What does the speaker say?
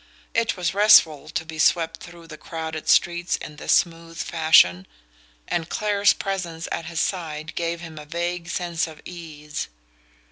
It was restful to be swept through the crowded streets in this smooth fashion, and Clare's presence at his side gave him a vague sense of ease.